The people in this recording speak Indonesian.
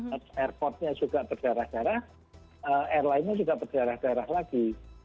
airportnya juga berjarah jarah airlinenya juga berjarah jarah lagi